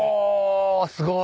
すごい！